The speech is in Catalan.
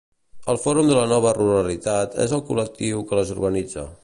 El Fòrum de la Nova Ruralitat és el col·lectiu que les organitza.